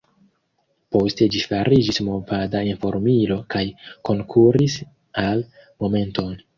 Poste ĝi fariĝis movada informilo kaj konkuris al Momenton.